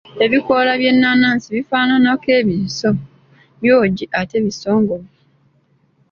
Ebikoola by’ennaanansi bifaananako ebiso, byogi ate bisongovu.